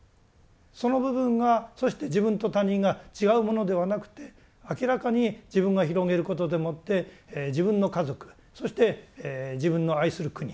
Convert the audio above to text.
その部分がそして自分と他人が違うものではなくて明らかに自分が広げることでもって自分の家族そして自分の愛する国